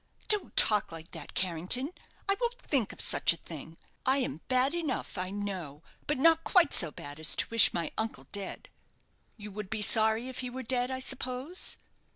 "Don't talk like that, Carrington. I won't think of such a thing. I am had enough, I know; but not quite so bad as to wish my uncle dead." "You would be sorry if he were dead, I suppose?